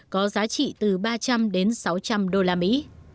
có giá trị từ ba trăm linh đến sáu trăm linh đô la mỹ